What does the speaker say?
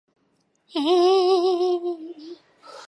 অধিকন্তু ত্রিভুজটির নয়-বিন্দুর কেন্দ্র ঐ ব্যাসের উপর অবস্থান করে।